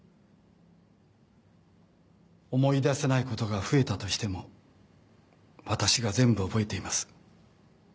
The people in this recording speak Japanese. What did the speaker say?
思い出せないことが増えたとしても私が全部覚えています。